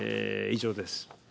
以上です。